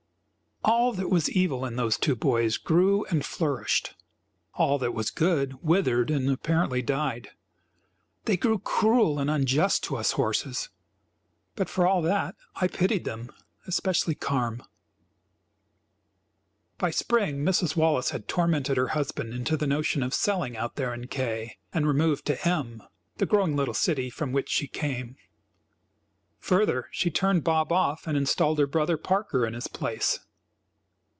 All that was evil in those two boys grew and flourished; all that was good withered and, apparently, died. They grew cruel and unjust to us horses, but for all that, I pitied them, especially Carm. By spring Mrs. Wallace had tormented her husband into the notion of selling out there in K and removed to M , the growing little city from which she came. Further, she turned Bob off, and installed her brother Parker in his place.